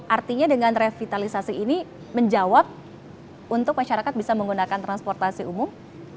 artinya dengan revitalisasi ini menjawab untuk masyarakat bisa menggunakan transportasi umum